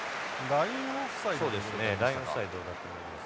ラインオフサイドだと思いますね